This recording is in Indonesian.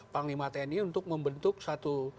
panglima tni untuk membentuk satu